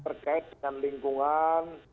terkait dengan lingkungan